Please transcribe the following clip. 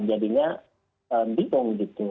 akhirnya bingung gitu